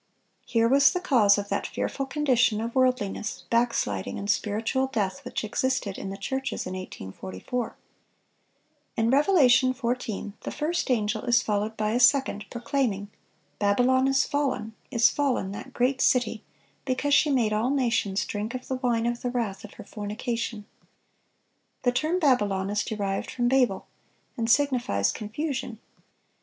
Here was the cause of that fearful condition of worldliness, backsliding, and spiritual death which existed in the churches in 1844. In Revelation 14, the first angel is followed by a second, proclaiming, "Babylon is fallen, is fallen, that great city, because she made all nations drink of the wine of the wrath of her fornication."(623) The term "Babylon" is derived from "Babel," and signifies confusion.